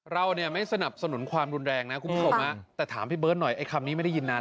เราเนี่ยไม่สนับสนุนความรุนแรงนะคุณผู้ชมแต่ถามพี่เบิร์ตหน่อยไอ้คำนี้ไม่ได้ยินนาน